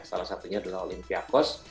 salah satunya adalah olympiakos